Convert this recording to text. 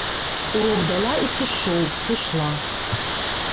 Урок дала і сышоў, сышла.